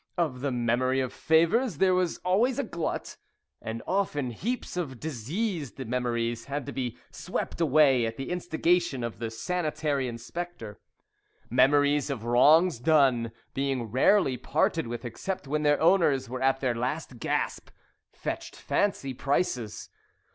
Of the memory of favours there was always a glut, and often heaps of diseased memories had to be swept away at the instigation of the sanitary inspector. Memories of wrongs done, being rarely parted with except when their owners were at their last gasp, fetched fancy prices.